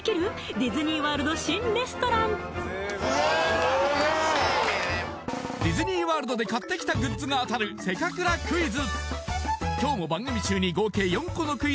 ディズニー・ワールド新レストランディズニー・ワールドで買ってきたグッズが当たるせかくらクイズ